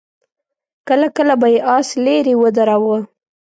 کله کله به يې آس ليرې ودراوه.